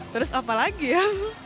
terus apa lagi ya